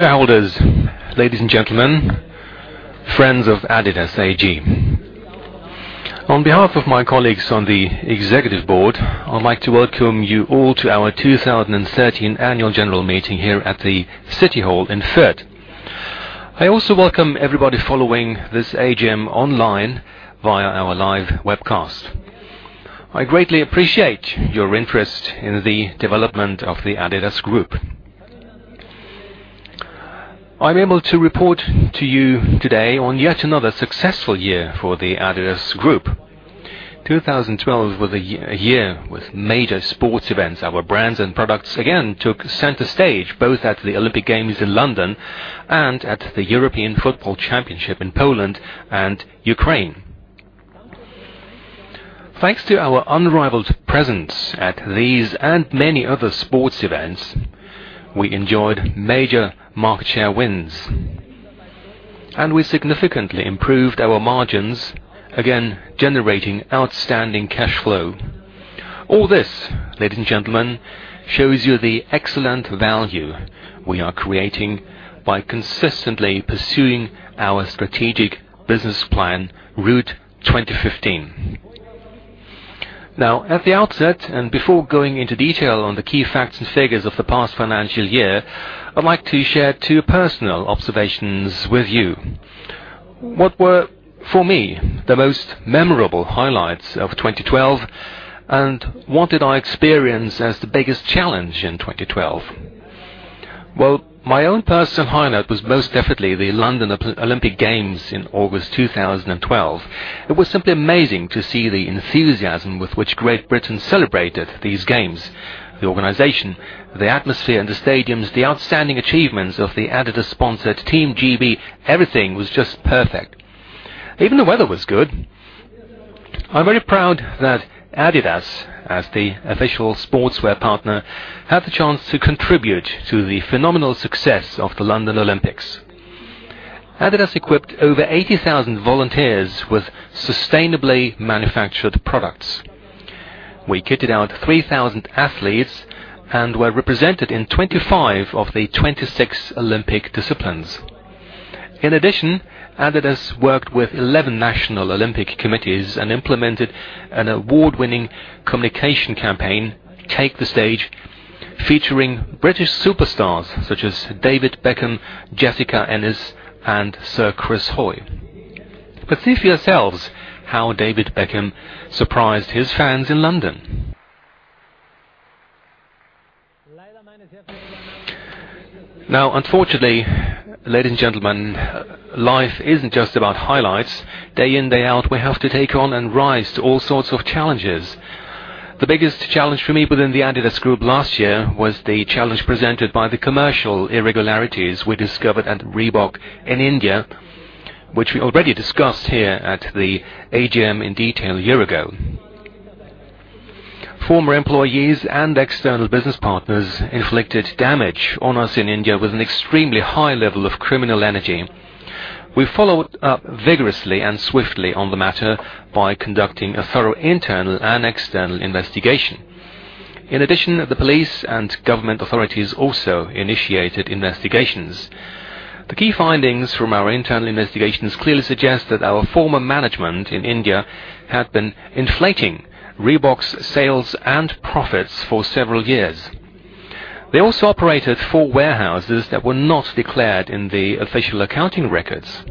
Shareholders, ladies and gentlemen, friends of adidas AG. On behalf of my colleagues on the executive board, I'd like to welcome you all to our 2013 Annual General Meeting here at the City Hall in Fürth. I also welcome everybody following this AGM online via our live webcast. I greatly appreciate your interest in the development of the adidas Group. I'm able to report to you today on yet another successful year for the adidas Group. 2012 was a year with major sports events. Our brands and products again took center stage both at the Olympic Games in London and at the European Football Championship in Poland and Ukraine. Thanks to our unrivaled presence at these and many other sports events, we enjoyed major market share wins, and we significantly improved our margins, again, generating outstanding cash flow. All this, ladies and gentlemen, shows you the excellent value we are creating by consistently pursuing our strategic business plan, Route 2015. At the outset, and before going into detail on the key facts and figures of the past financial year, I'd like to share two personal observations with you. What were, for me, the most memorable highlights of 2012, and what did I experience as the biggest challenge in 2012? Well, my own personal highlight was most definitely the London Olympic Games in August 2012. It was simply amazing to see the enthusiasm with which Great Britain celebrated these games, the organization, the atmosphere and the stadiums, the outstanding achievements of the adidas-sponsored Team GB. Everything was just perfect. Even the weather was good. I'm very proud that adidas, as the official sportswear partner, had the chance to contribute to the phenomenal success of the London Olympics. Adidas equipped over 80,000 volunteers with sustainably manufactured products. We kitted out 3,000 athletes and were represented in 25 of the 26 Olympic disciplines. In addition, adidas worked with 11 national Olympic committees and implemented an award-winning communication campaign, Take the Stage, featuring British superstars such as David Beckham, Jessica Ennis, and Sir Chris Hoy. See for yourselves how David Beckham surprised his fans in London. Unfortunately, ladies and gentlemen, life isn't just about highlights. Day in, day out, we have to take on and rise to all sorts of challenges. The biggest challenge for me within the adidas Group last year was the challenge presented by the commercial irregularities we discovered at Reebok in India, which we already discussed here at the AGM in detail a year ago. Former employees and external business partners inflicted damage on us in India with an extremely high level of criminal energy. We followed up vigorously and swiftly on the matter by conducting a thorough internal and external investigation. In addition, the police and government authorities also initiated investigations. The key findings from our internal investigations clearly suggest that our former management in India had been inflating Reebok's sales and profits for several years. They also operated four warehouses that were not declared in the official accounting records.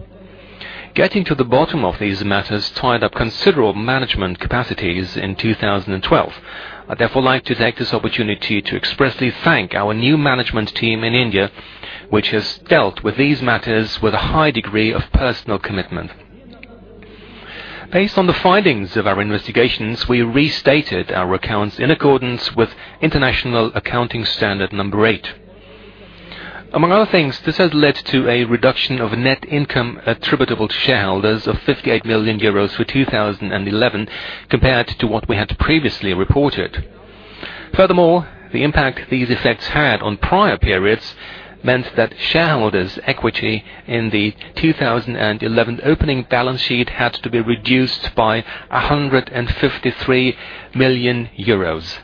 Getting to the bottom of these matters tied up considerable management capacities in 2012. I'd therefore like to take this opportunity to expressly thank our new management team in India, which has dealt with these matters with a high degree of personal commitment. Based on the findings of our investigations, we restated our accounts in accordance with International Accounting Standard number 8. Among other things, this has led to a reduction of net income attributable to shareholders of 58 million euros for 2011 compared to what we had previously reported. Furthermore, the impact these effects had on prior periods meant that shareholders' equity in the 2011 opening balance sheet had to be reduced by 153 million euros.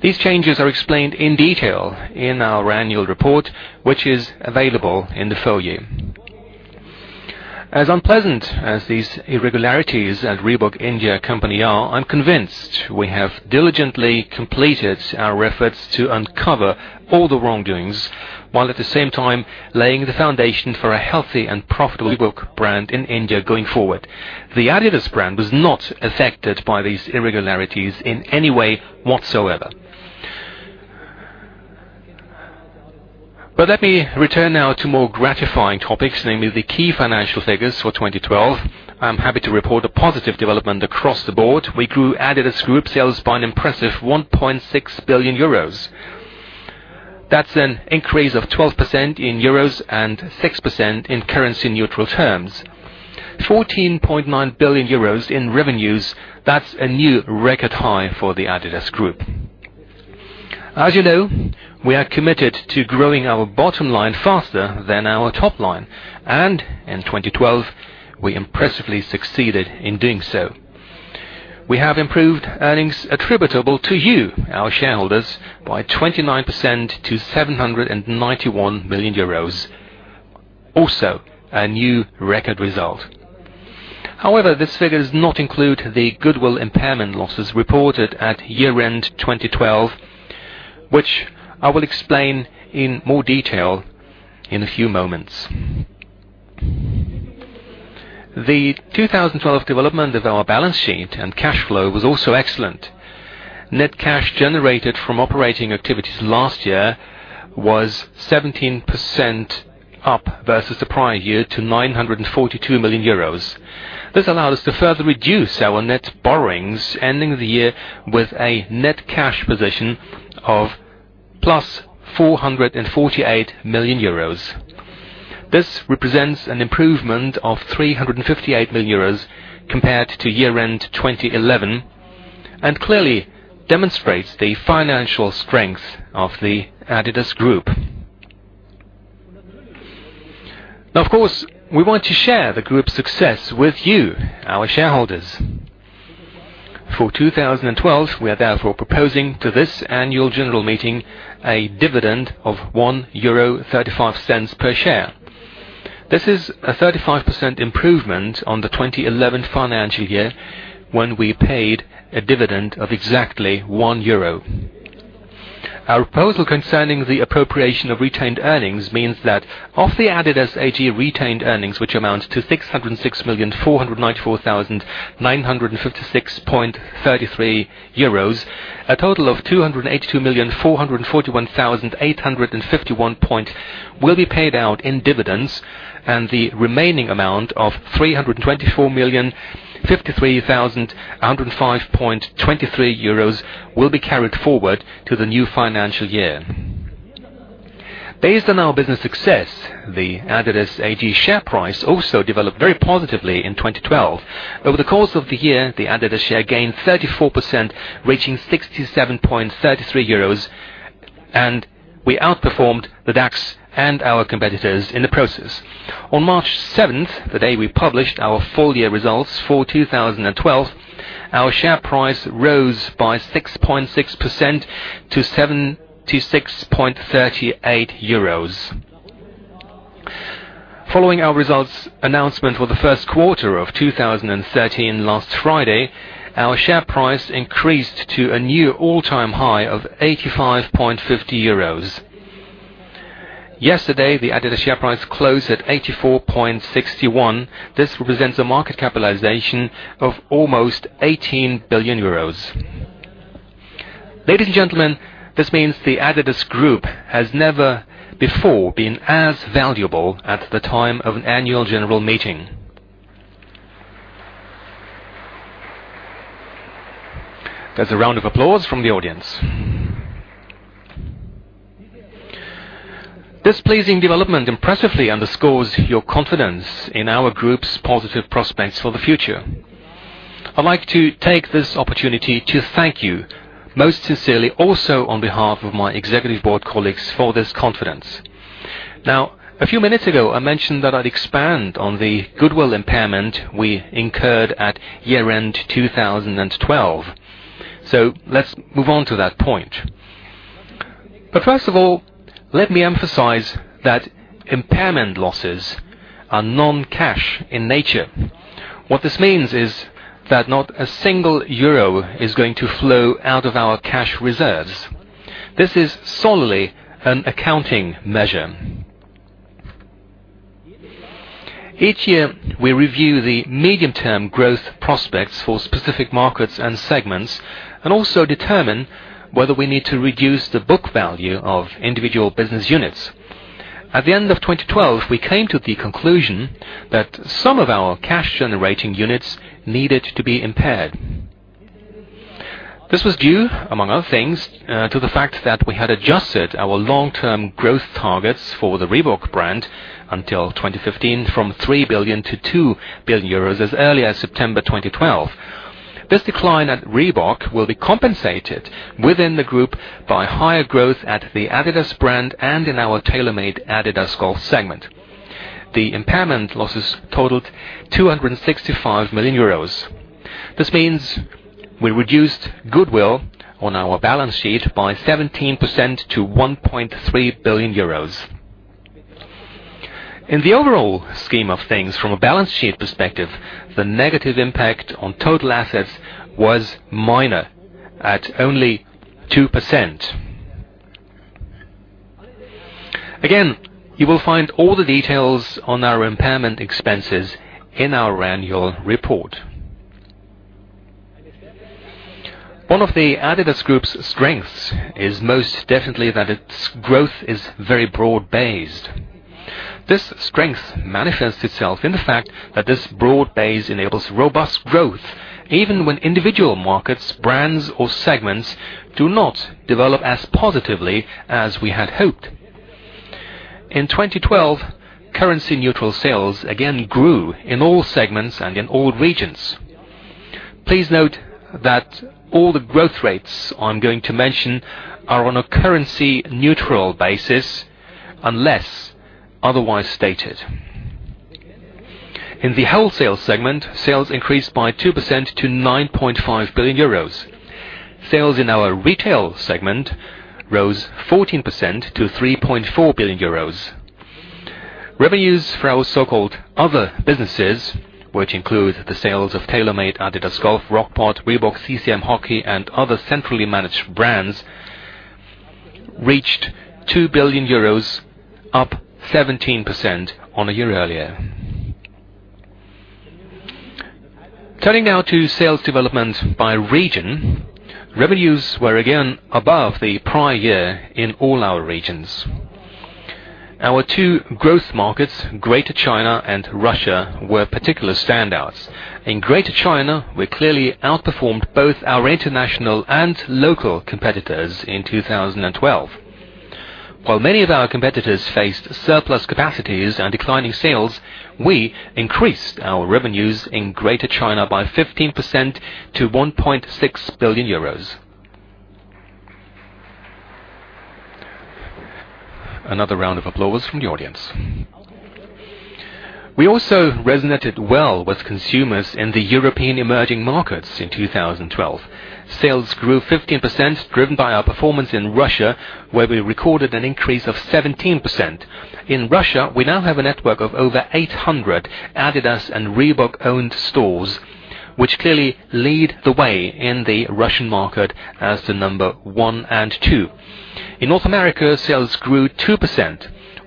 These changes are explained in detail in our annual report, which is available in the foyer. As unpleasant as these irregularities at Reebok India Company are, I'm convinced we have diligently completed our efforts to uncover all the wrongdoings, while at the same time laying the foundation for a healthy and profitable Reebok brand in India going forward. The adidas brand was not affected by these irregularities in any way whatsoever. Let me return now to more gratifying topics, namely the key financial figures for 2012. I'm happy to report a positive development across the board. We grew adidas Group sales by an impressive 1.6 billion euros. That's an increase of 12% in euros and 6% in currency neutral terms. 14.9 billion euros in revenues, that's a new record high for the adidas Group. As you know, we are committed to growing our bottom line faster than our top line, and in 2012, we impressively succeeded in doing so. We have improved earnings attributable to you, our shareholders, by 29% to 791 million euros. Also, a new record result. However, this figure does not include the goodwill impairment losses reported at year-end 2012, which I will explain in more detail in a few moments. The 2012 development of our balance sheet and cash flow was also excellent. Net cash generated from operating activities last year was 17% up versus the prior year to 942 million euros. This allowed us to further reduce our net borrowings, ending the year with a net cash position of 448 million euros. This represents an improvement of 358 million euros compared to year-end 2011, and clearly demonstrates the financial strength of the adidas Group. Of course, we want to share the group's success with you, our shareholders. For 2012, we are therefore proposing to this Annual General Meeting a dividend of 1.35 euro per share. This is a 35% improvement on the 2011 financial year, when we paid a dividend of exactly 1.00 euro. Our proposal concerning the appropriation of retained earnings means that of the adidas AG retained earnings, which amount to 606,494,956.33 euros, a total of 282,441,851 will be paid out in dividends, and the remaining amount of 324,053,105.23 euros will be carried forward to the new financial year. Based on our business success, the adidas AG share price also developed very positively in 2012. Over the course of the year, the adidas share gained 34%, reaching 67.33 euros, and we outperformed the DAX and our competitors in the process. On March 7th, the day we published our full year results for 2012, our share price rose by 6.6% to 76.38 euros. Following our results announcement for the first quarter of 2013 last Friday, our share price increased to a new all-time high of 85.50 euros. Yesterday, the adidas share price closed at 84.61. This represents a market capitalization of almost 18 billion euros. Ladies and gentlemen, this means the adidas Group has never before been as valuable at the time of an Annual General Meeting. There's a round of applause from the audience. This pleasing development impressively underscores your confidence in our group's positive prospects for the future. I'd like to take this opportunity to thank you most sincerely also on behalf of my executive board colleagues, for this confidence. A few minutes ago, I mentioned that I'd expand on the goodwill impairment we incurred at year-end 2012. Let's move on to that point. First of all, let me emphasize that impairment losses are non-cash in nature. What this means is that not a single EUR is going to flow out of our cash reserves. This is solely an accounting measure. Each year, we review the medium-term growth prospects for specific markets and segments, and also determine whether we need to reduce the book value of individual business units. At the end of 2012, we came to the conclusion that some of our cash-generating units needed to be impaired. This was due, among other things, to the fact that we had adjusted our long-term growth targets for the Reebok brand until 2015 from 3 billion EUR to 2 billion euros as early as September 2012. This decline at Reebok will be compensated within the group by higher growth at the adidas brand and in our TaylorMade-adidas Golf segment. The impairment losses totaled 265 million euros. This means we reduced goodwill on our balance sheet by 17% to 1.3 billion euros. In the overall scheme of things, from a balance sheet perspective, the negative impact on total assets was minor, at only 2%. Again, you will find all the details on our impairment expenses in our annual report. One of the adidas Group's strengths is most definitely that its growth is very broad-based. This strength manifests itself in the fact that this broad base enables robust growth even when individual markets, brands, or segments do not develop as positively as we had hoped. In 2012, currency neutral sales again grew in all segments and in all regions. Please note that all the growth rates I'm going to mention are on a currency neutral basis, unless otherwise stated. In the wholesale segment, sales increased by 2% to 9.5 billion euros. Sales in our retail segment rose 14% to 3.4 billion euros. Revenues for our so-called other businesses, which include the sales of TaylorMade, adidas Golf, Rockport, Reebok, CCM Hockey, and other centrally managed brands, reached 2 billion euros, up 17% on a year earlier. Turning now to sales development by region, revenues were again above the prior year in all our regions. Our two growth markets, Greater China and Russia, were particular standouts. In Greater China, we clearly outperformed both our international and local competitors in 2012. While many of our competitors faced surplus capacities and declining sales, we increased our revenues in Greater China by 15% to 1.6 billion EUR. Another round of applause from the audience. We also resonated well with consumers in the European emerging markets in 2012. Sales grew 15%, driven by our performance in Russia, where we recorded an increase of 17%. In Russia, we now have a network of over 800 adidas and Reebok-owned stores, which clearly lead the way in the Russian market as the number 1 and 2. In North America, sales grew 2%.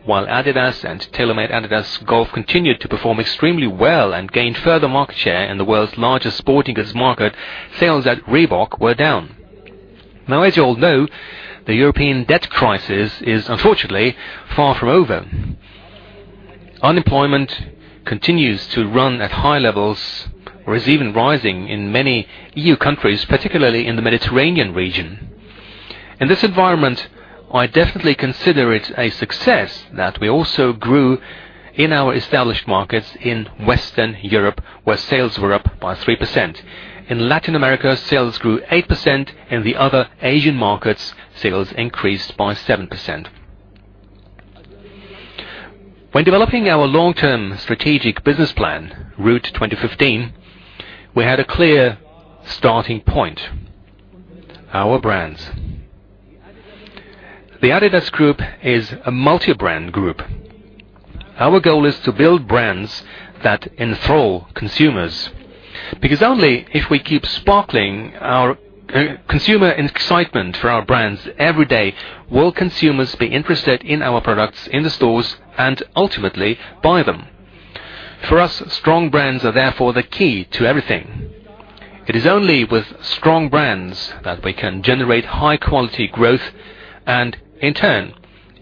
While adidas and TaylorMade-adidas Golf continued to perform extremely well and gained further market share in the world's largest sporting goods market, sales at Reebok were down. As you all know, the European debt crisis is unfortunately far from over. Unemployment continues to run at high levels or is even rising in many EU countries, particularly in the Mediterranean region. In this environment, I definitely consider it a success that we also grew in our established markets in Western Europe, where sales were up by 3%. In Latin America, sales grew 8%. In the other Asian markets, sales increased by 7%. When developing our long-term strategic business plan, Route 2015, we had a clear starting point: our brands. The adidas Group is a multi-brand group. Our goal is to build brands that enthrall consumers, because only if we keep sparkling consumer excitement for our brands every day will consumers be interested in our products in the stores and ultimately buy them. For us, strong brands are therefore the key to everything. It is only with strong brands that we can generate high-quality growth and, in turn,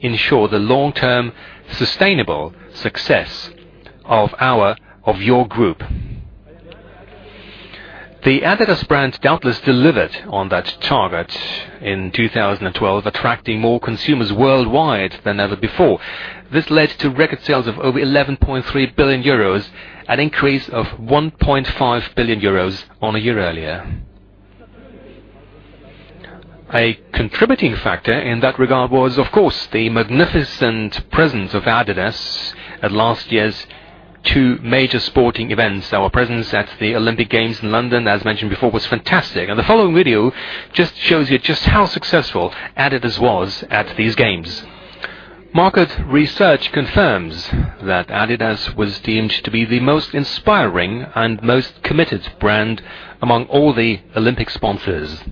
ensure the long-term sustainable success of your group. The adidas brand doubtless delivered on that target in 2012, attracting more consumers worldwide than ever before. This led to record sales of over 11.3 billion euros, an increase of 1.5 billion euros on a year earlier. A contributing factor in that regard was, of course, the magnificent presence of adidas at last year's two major sporting events. Our presence at the Olympic Games in London, as mentioned before, was fantastic, and the following video just shows you just how successful adidas was at these games. Market research confirms that adidas was deemed to be the most inspiring and most committed brand among all the Olympic sponsors.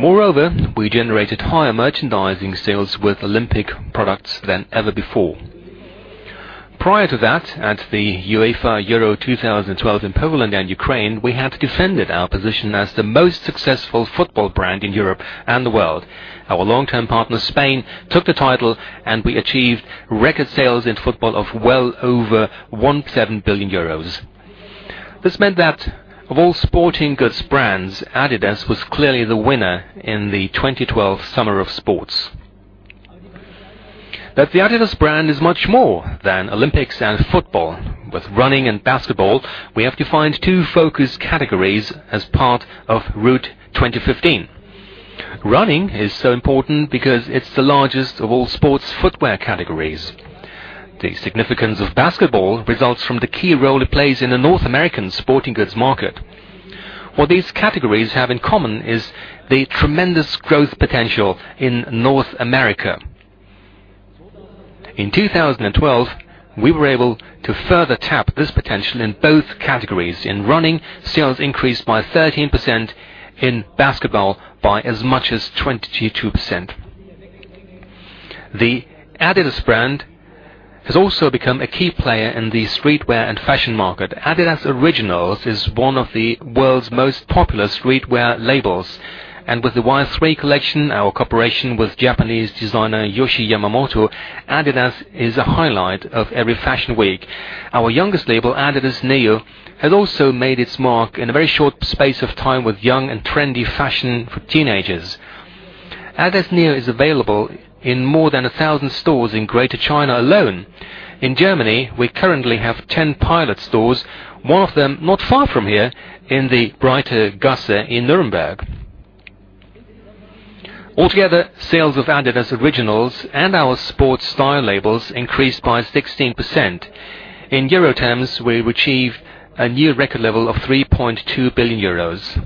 Moreover, we generated higher merchandising sales with Olympic products than ever before. Prior to that, at the UEFA Euro 2012 in Poland and Ukraine, we have defended our position as the most successful football brand in Europe and the world. Our long-term partner, Spain, took the title, and we achieved record sales in football of well over 1.7 billion euros. This meant that of all sporting goods brands, adidas was clearly the winner in the 2012 summer of sports. The adidas brand is much more than Olympics and football. With running and basketball, we have defined two focus categories as part of Route 2015. Running is so important because it's the largest of all sports footwear categories. The significance of basketball results from the key role it plays in the North American sporting goods market. What these categories have in common is the tremendous growth potential in North America. In 2012, we were able to further tap this potential in both categories. In running, sales increased by 13%, in basketball by as much as 22%. The adidas brand has also become a key player in the streetwear and fashion market. adidas Originals is one of the world's most popular streetwear labels, and with the Y-3 collection, our cooperation with Japanese designer Yohji Yamamoto, adidas is a highlight of every fashion week. Our youngest label, adidas NEO, has also made its mark in a very short space of time with young and trendy fashion for teenagers. adidas NEO is available in more than 1,000 stores in Greater China alone. In Germany, we currently have 10 pilot stores, one of them not far from here in the Breite Gasse in Nuremberg. Altogether, sales of adidas Originals and our Sport Style labels increased by 16%. In euro terms, we achieved a new record level of 3.2 billion euros.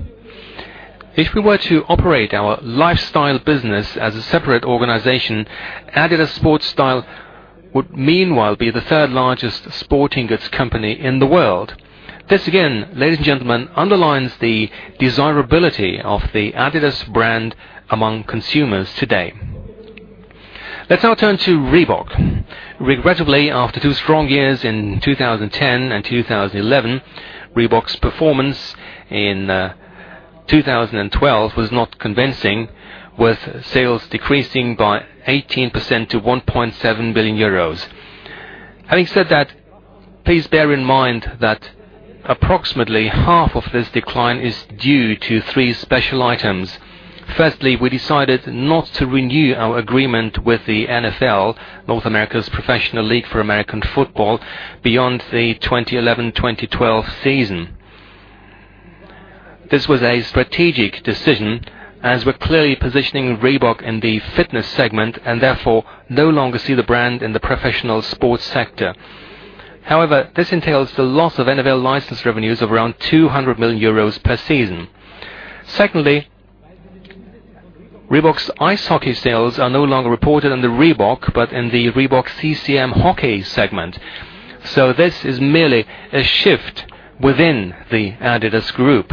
If we were to operate our lifestyle business as a separate organization, adidas Sport Style would meanwhile be the third-largest sporting goods company in the world. This, again, ladies and gentlemen, underlines the desirability of the adidas brand among consumers today. Let's now turn to Reebok. Regrettably, after two strong years in 2010 and 2011, Reebok's performance in 2012 was not convincing, with sales decreasing by 18% to 1.7 billion euros. Having said that, please bear in mind that approximately half of this decline is due to three special items. Firstly, we decided not to renew our agreement with the NFL, North America's professional league for American football, beyond the 2011-2012 season. This was a strategic decision, as we're clearly positioning Reebok in the fitness segment and therefore no longer see the brand in the professional sports sector. This entails the loss of NFL license revenues of around 200 million euros per season. Secondly, Reebok's ice hockey sales are no longer reported in the Reebok, but in the Reebok-CCM Hockey segment. This is merely a shift within the adidas Group.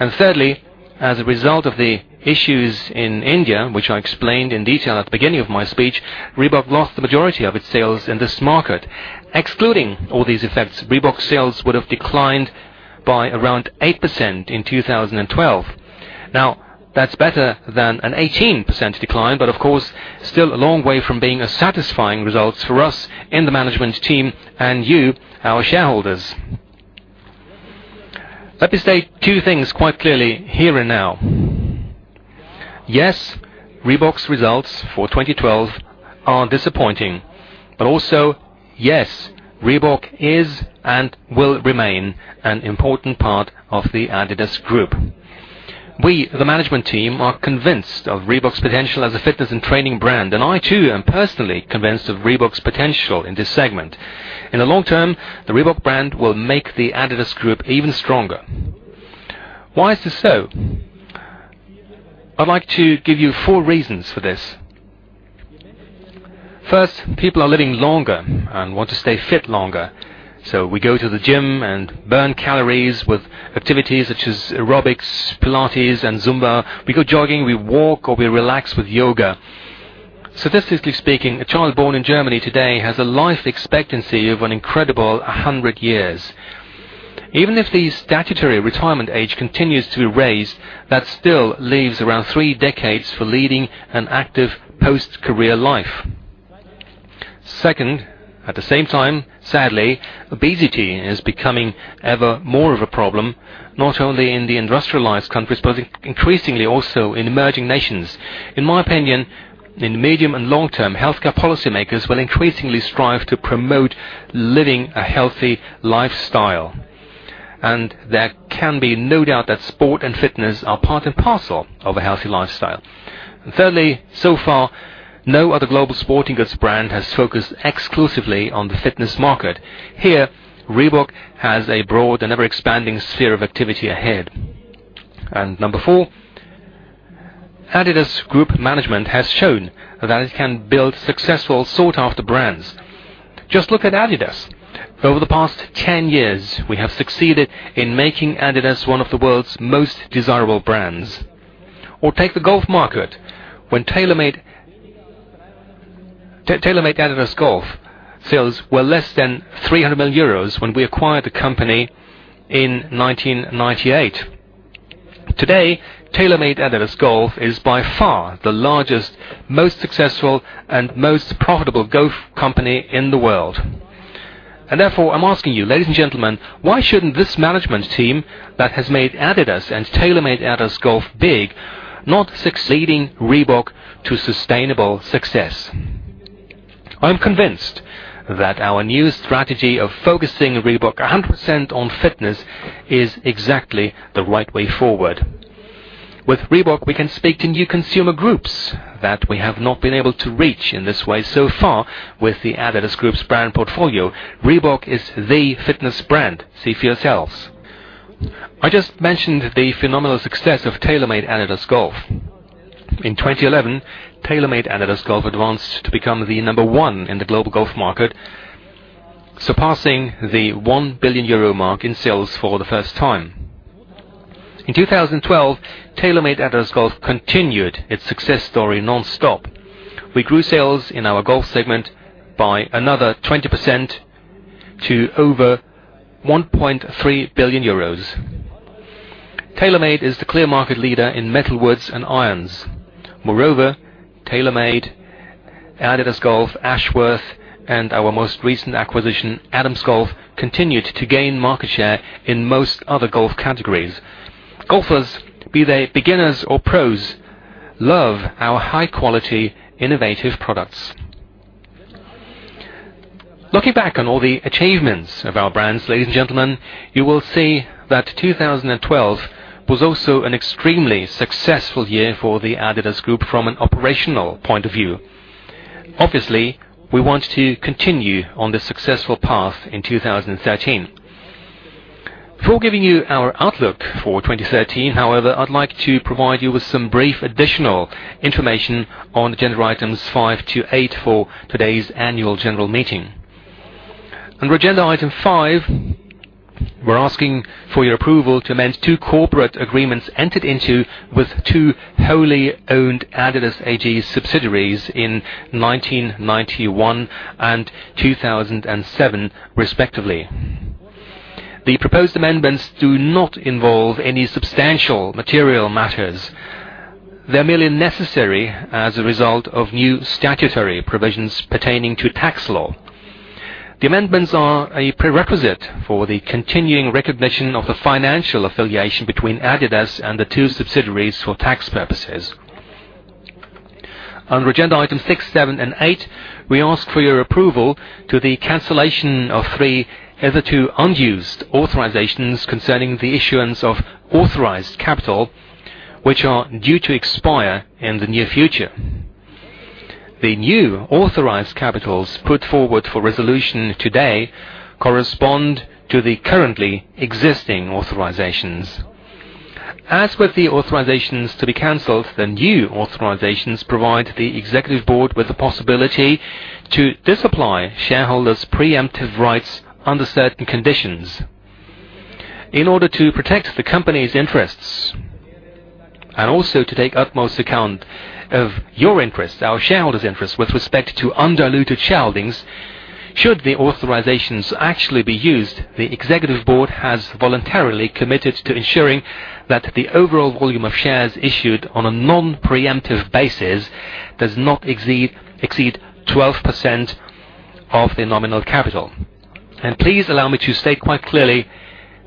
Thirdly, as a result of the issues in India, which I explained in detail at the beginning of my speech, Reebok lost the majority of its sales in this market. Excluding all these effects, Reebok sales would have declined by around 8% in 2012. That's better than an 18% decline, but of course, still a long way from being a satisfying result for us in the management team and you, our shareholders. Let me state two things quite clearly here and now. Yes, Reebok's results for 2012 are disappointing, but also, yes, Reebok is and will remain an important part of the adidas Group. We, the management team, are convinced of Reebok's potential as a fitness and training brand, and I too am personally convinced of Reebok's potential in this segment. In the long term, the Reebok brand will make the adidas Group even stronger. Why is this so? I'd like to give you four reasons for this. First, people are living longer and want to stay fit longer. We go to the gym and burn calories with activities such as aerobics, Pilates, and Zumba. We go jogging, we walk, or we relax with yoga. Statistically speaking, a child born in Germany today has a life expectancy of an incredible 100 years. Even if the statutory retirement age continues to be raised, that still leaves around three decades for leading an active post-career life. Second, at the same time, sadly, obesity is becoming ever more of a problem, not only in the industrialized countries, but increasingly also in emerging nations. In my opinion, in the medium and long term, healthcare policymakers will increasingly strive to promote living a healthy lifestyle. There can be no doubt that sport and fitness are part and parcel of a healthy lifestyle. Thirdly, so far, no other global sporting goods brand has focused exclusively on the fitness market. Here, Reebok has a broad and ever-expanding sphere of activity ahead. Number 4, adidas Group management has shown that it can build successful sought-after brands. Just look at adidas. Over the past 10 years, we have succeeded in making adidas one of the world's most desirable brands. Take the golf market. When TaylorMade-adidas Golf sales were less than 300 million euros when we acquired the company in 1998. Today, TaylorMade-adidas Golf is by far the largest, most successful, and most profitable golf company in the world. Therefore, I'm asking you, ladies and gentlemen, why shouldn't this management team that has made adidas and TaylorMade-adidas Golf big, not succeeding Reebok to sustainable success? I'm convinced that our new strategy of focusing Reebok 100% on fitness is exactly the right way forward. With Reebok, we can speak to new consumer groups that we have not been able to reach in this way so far with the adidas Group's brand portfolio. Reebok is the fitness brand. See for yourselves. I just mentioned the phenomenal success of TaylorMade-adidas Golf. In 2011, TaylorMade-adidas Golf advanced to become the number one in the global golf market, surpassing the 1 billion euro mark in sales for the first time. In 2012, TaylorMade-adidas Golf continued its success story nonstop. We grew sales in our golf segment by another 20% to over 1.3 billion euros. TaylorMade is the clear market leader in metal woods and irons. Moreover, TaylorMade, adidas Golf, Ashworth, and our most recent acquisition, Adams Golf, continued to gain market share in most other golf categories. Golfers, be they beginners or pros, love our high-quality, innovative products. Looking back on all the achievements of our brands, ladies and gentlemen, you will see that 2012 was also an extremely successful year for the adidas Group from an operational point of view. Obviously, we want to continue on this successful path in 2013. Before giving you our outlook for 2013, however, I'd like to provide you with some brief additional information on agenda items five to eight for today's Annual General Meeting. On agenda item five, we're asking for your approval to amend two corporate agreements entered into with two wholly owned adidas AG subsidiaries in 1991 and 2007 respectively. The proposed amendments do not involve any substantial material matters. They're merely necessary as a result of new statutory provisions pertaining to tax law. The amendments are a prerequisite for the continuing recognition of the financial affiliation between adidas and the two subsidiaries for tax purposes. On agenda items six, seven, and eight, we ask for your approval to the cancellation of three hitherto unused authorizations concerning the issuance of authorized capital, which are due to expire in the near future. The new authorized capitals put forward for resolution today correspond to the currently existing authorizations. As with the authorizations to be canceled, the new authorizations provide the executive board with the possibility to disapply shareholders' preemptive rights under certain conditions. In order to protect the company's interests and also to take utmost account of your interests, our shareholders' interests with respect to undiluted shareholdings, should the authorizations actually be used, the executive board has voluntarily committed to ensuring that the overall volume of shares issued on a non-preemptive basis does not exceed 12% of the nominal capital. Please allow me to state quite clearly,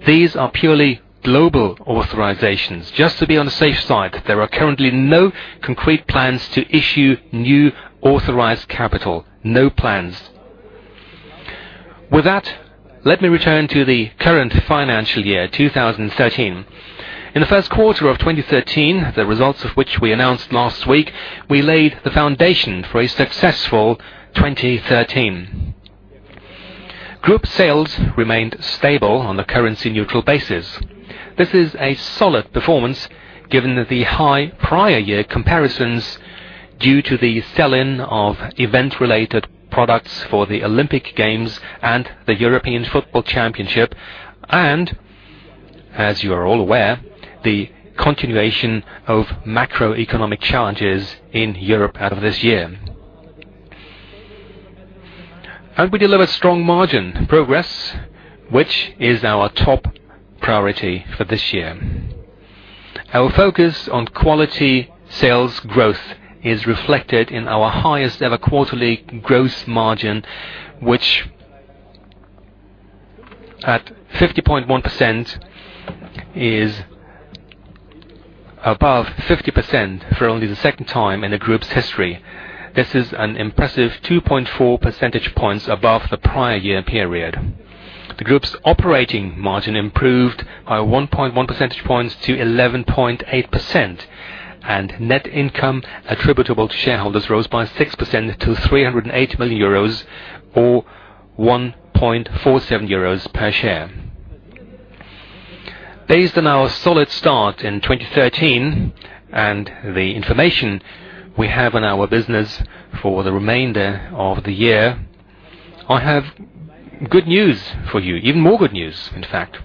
these are purely global authorizations. Just to be on the safe side, there are currently no concrete plans to issue new authorized capital. No plans. With that, let me return to the current financial year, 2013. In the first quarter of 2013, the results of which we announced last week, we laid the foundation for a successful 2013. Group sales remained stable on a currency neutral basis. This is a solid performance given the high prior year comparisons due to the sell-in of event-related products for the Olympic Games and the European Football Championship, as you are all aware, the continuation of macroeconomic challenges in Europe out of this year. We delivered strong margin progress, which is our top priority for this year. Our focus on quality sales growth is reflected in our highest ever quarterly gross margin, which, at 50.1%, is above 50% for only the second time in the group's history. This is an impressive 2.4 percentage points above the prior year period. The group's operating margin improved by 1.1 percentage points to 11.8%, and net income attributable to shareholders rose by 6% to 308 million euros or 1.47 euros per share. Based on our solid start in 2013 and the information we have on our business for the remainder of the year, I have good news for you, even more good news, in fact.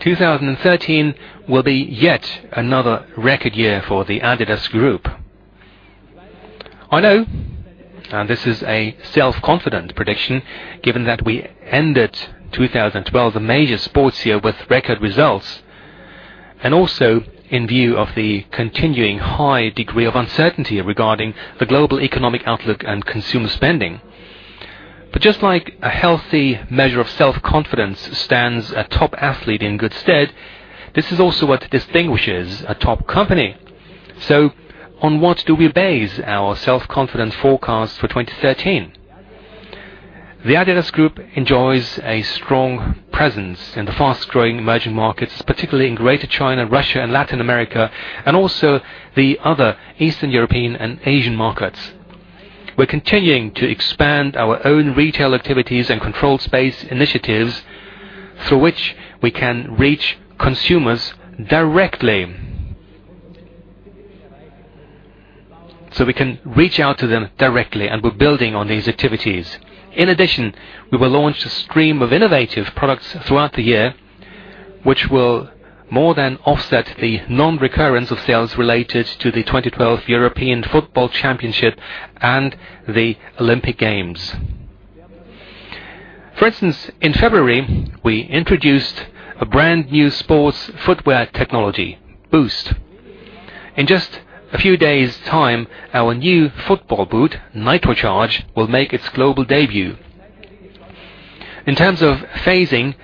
2013 will be yet another record year for the adidas Group. I know, this is a self-confident prediction, given that we ended 2012, a major sports year, with record results, and also in view of the continuing high degree of uncertainty regarding the global economic outlook and consumer spending. Just like a healthy measure of self-confidence stands a top athlete in good stead, this is also what distinguishes a top company. On what do we base our self-confident forecast for 2013? The adidas Group enjoys a strong presence in the fast-growing emerging markets, particularly in Greater China, Russia, and Latin America, and also the other Eastern European and Asian markets. We're continuing to expand our own retail activities and control space initiatives, through which we can reach consumers directly. We can reach out to them directly, and we're building on these activities. In addition, we will launch a stream of innovative products throughout the year, which will more than offset the non-recurrence of sales related to the 2012 European Football Championship and the Olympic Games. For instance, in February, we introduced a brand new sports footwear technology, Boost. In just a few days' time, our new football boot, Nitrocharge, will make its global debut. In terms of phasing,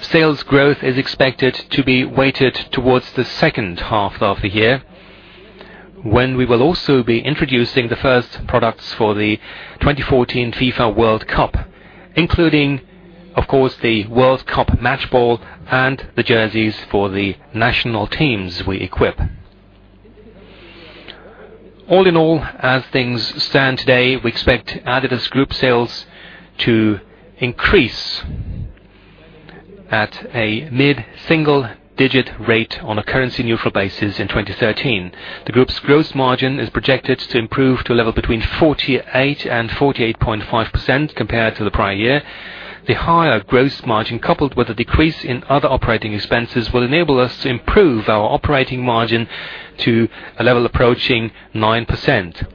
sales growth is expected to be weighted towards the second half of the year. When we will also be introducing the first products for the 2014 FIFA World Cup, including, of course, the World Cup match ball and the jerseys for the national teams we equip. All in all, as things stand today, we expect adidas Group sales to increase at a mid-single-digit rate on a currency-neutral basis in 2013. The group's gross margin is projected to improve to a level between 48%-48.5% compared to the prior year. The higher gross margin, coupled with a decrease in other operating expenses, will enable us to improve our operating margin to a level approaching 9%.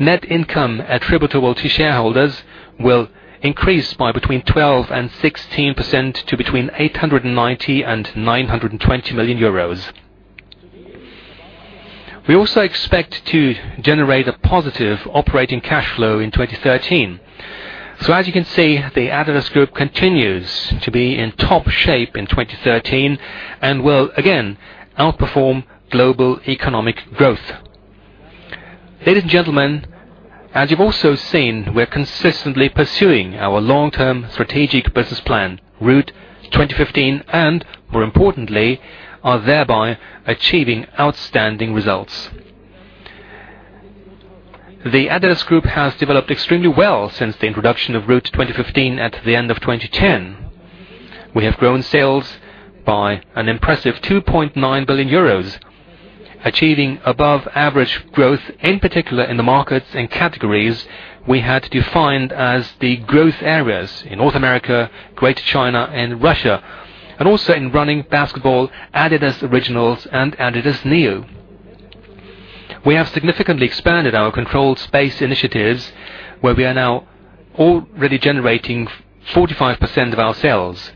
Net income attributable to shareholders will increase by between 12%-16% to between 890 million and 920 million euros. We also expect to generate a positive operating cash flow in 2013. As you can see, the adidas Group continues to be in top shape in 2013 and will again outperform global economic growth. Ladies and gentlemen, as you've also seen, we're consistently pursuing our long-term strategic business plan, Route 2015, and more importantly, are thereby achieving outstanding results. The adidas Group has developed extremely well since the introduction of Route 2015 at the end of 2010. We have grown sales by an impressive 2.9 billion euros, achieving above-average growth, in particular in the markets and categories we had defined as the growth areas in North America, Greater China, and Russia, and also in running, basketball, adidas Originals, and adidas NEO. We have significantly expanded our controlled space initiatives, where we are now already generating 45% of our sales.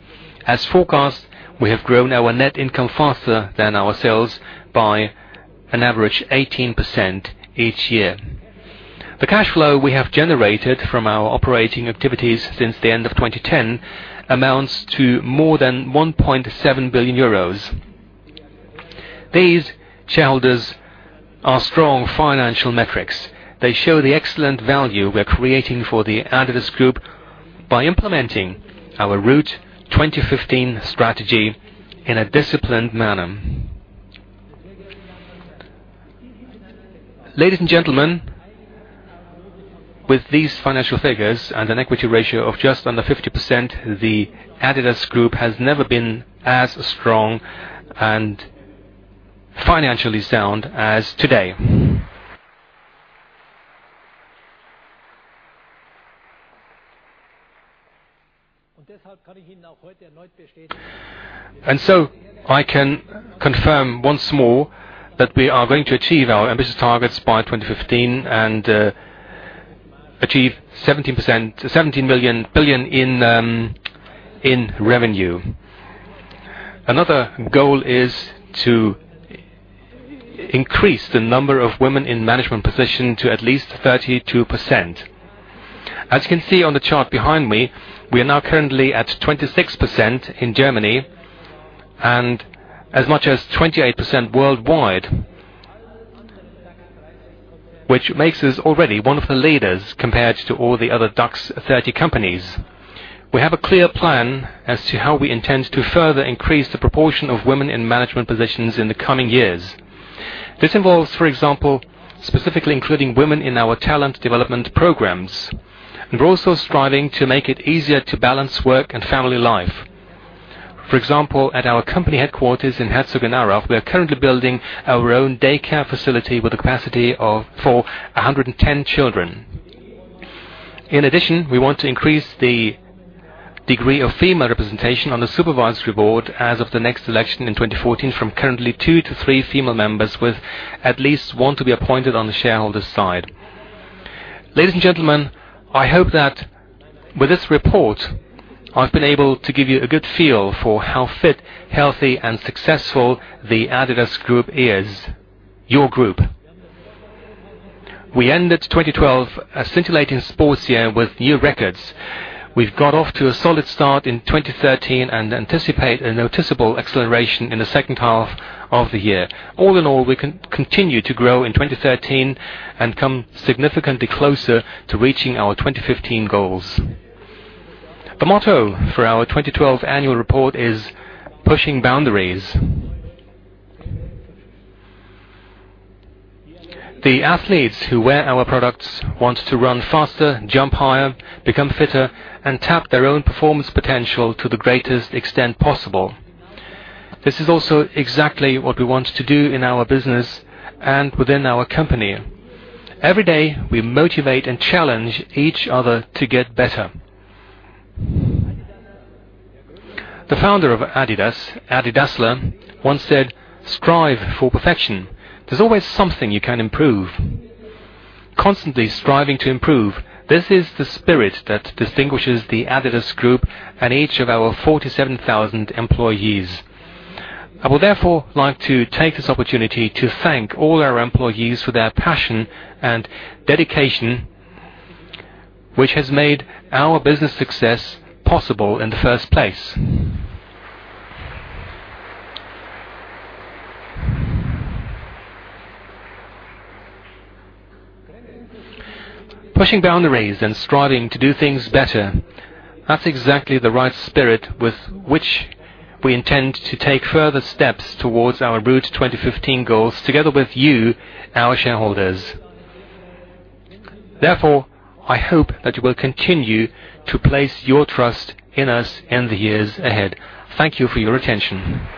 As forecast, we have grown our net income faster than our sales by an average 18% each year. The cash flow we have generated from our operating activities since the end of 2010 amounts to more than 1.7 billion euros. These, shareholders, are strong financial metrics. They show the excellent value we are creating for the adidas Group by implementing our Route 2015 strategy in a disciplined manner. Ladies and gentlemen, with these financial figures and an equity ratio of just under 50%, the adidas Group has never been as strong and financially sound as today. I can confirm once more that we are going to achieve our ambitious targets by 2015 and achieve EUR 17 billion in revenue. Another goal is to increase the number of women in management position to at least 32%. As you can see on the chart behind me, we are now currently at 26% in Germany and as much as 28% worldwide, which makes us already one of the leaders compared to all the other DAX 30 companies. We have a clear plan as to how we intend to further increase the proportion of women in management positions in the coming years. This involves, for example, specifically including women in our talent development programs, and we're also striving to make it easier to balance work and family life. For example, at our company headquarters in Herzogenaurach, we are currently building our own daycare facility with a capacity for 110 children. In addition, we want to increase the degree of female representation on the supervisory board as of the next election in 2014 from currently two to three female members, with at least one to be appointed on the shareholder side. Ladies and gentlemen, I hope that with this report, I've been able to give you a good feel for how fit, healthy, and successful the adidas Group is, your group. We ended 2012, a scintillating sports year, with new records. We've got off to a solid start in 2013 and anticipate a noticeable acceleration in the second half of the year. All in all, we continue to grow in 2013 and come significantly closer to reaching our 2015 goals. The motto for our 2012 annual report is "Pushing Boundaries." The athletes who wear our products want to run faster, jump higher, become fitter, and tap their own performance potential to the greatest extent possible. This is also exactly what we want to do in our business and within our company. Every day, we motivate and challenge each other to get better. The founder of adidas, Adi Dassler, once said, "Strive for perfection. There's always something you can improve." Constantly striving to improve. This is the spirit that distinguishes the adidas Group and each of our 47,000 employees. I would therefore like to take this opportunity to thank all our employees for their passion and dedication, which has made our business success possible in the first place. Pushing boundaries and striving to do things better, that's exactly the right spirit with which we intend to take further steps towards our Route 2015 goals together with you, our shareholders. Therefore, I hope that you will continue to place your trust in us in the years ahead. Thank you for your attention.